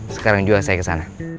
sekarang juga saya kesana